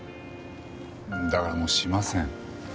だからもうしません。